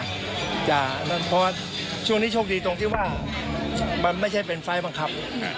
เพราะว่าช่วงนี้โชคดีตรงที่ว่ามันไม่ใช่เป็นไฟล์บังคับ